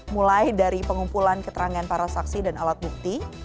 mulai dari pengumpulan keterangan para saksi dan alat bukti